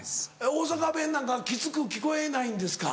大阪弁なんかきつく聞こえないんですか？